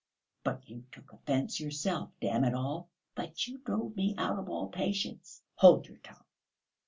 "But you took offence yourself, damn it all!" "But you drove me out of all patience." "Hold your tongue!"